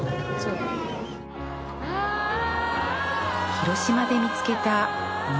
広島で見つけた虹